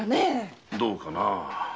どうかなあ？